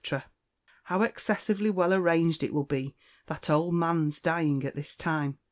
"How excessively well arranged it will be that old man's dying at this time!"